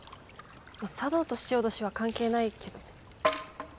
茶道とししおどしは関係ないけど。